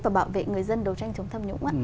và bảo vệ người dân đấu tranh chống tham nhũng